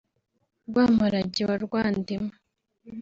Rwamparage wa Rwandima